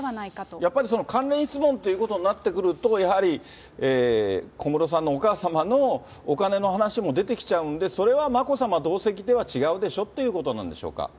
やっぱりその関連質問ということになってくると、やはり小室さんのお母様のお金の話も出てきちゃうんで、それは眞子さま同席では違うでしょっていうことなんでしょうか。